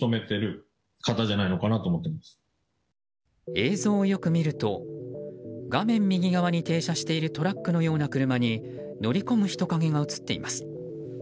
映像をよく見ると画面右側に停車しているトラックのような車に乗り込む人影が映っています。